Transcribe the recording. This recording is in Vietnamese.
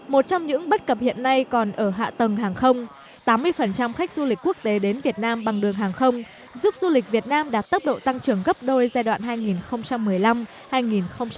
một trong những bất cập hiện nay còn ở hạ tầng hàng không tám mươi khách du lịch quốc tế đến việt nam bằng đường hàng không giúp du lịch việt nam đạt tốc độ tăng trưởng gấp đôi giai đoạn hai nghìn một mươi năm hai nghìn hai mươi